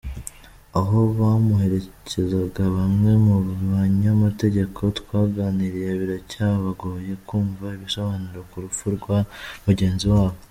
Aho bamuherekezaga bamwe mu banyamategeko twaganiriye biracyabagoye kumva ibisobanuro ku rupfu rwa mugenzi wabo.